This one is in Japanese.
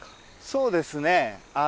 そうですね。